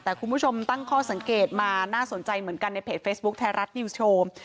แต่คุณผู้ชมตั้งข้อสังเกตมาน่าสนใจเหมือนกันในเพจเฟซบุ๊คไทยรัฐนิวส์โชว์